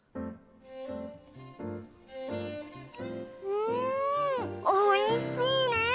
うんおいしいね！